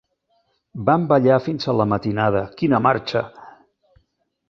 Vam ballar fins a la matinada, quina marxa!